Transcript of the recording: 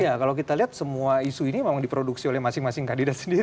ya kalau kita lihat semua isu ini memang diproduksi oleh masing masing kandidat sendiri